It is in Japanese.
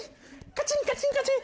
カチンカチンカチン。